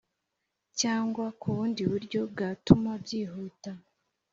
cyangwa ku bundi buryo bwatuma byihuta